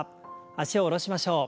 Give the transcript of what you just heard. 脚を下ろしましょう。